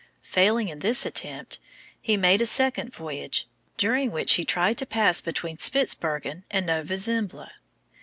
Failing in this attempt, he made a second voyage, during which he tried to pass between Spitzbergen and Nova Zembla.